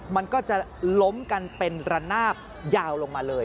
มันก็จะล้มกันเป็นระนาบยาวลงมาเลย